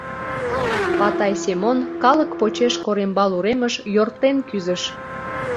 Патай Семон калык почеш корембал уремыш йортен кӱзыш.